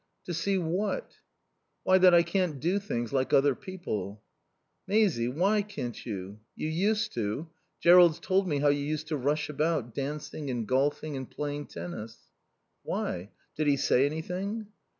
"To see what?" "Why, that I can't do things like other people." "Maisie why can't you? You used to. Jerrold's told me how you used to rush about, dancing and golfing and playing tennis." "Why? Did he say anything?"